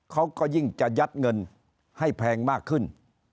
เขาก็ยิ่งจะยัดเงินให้แพงมากขึ้น